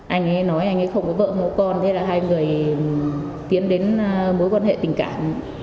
anh ấy nói anh ấy không có vợ một con thế là hai người tiến đến mối quan hệ tình cảm